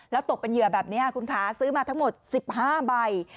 แล้วตกเป็นเหยื่อแบบนี้คุณค้าซื้อมาทั้งหมด๑๕ใบ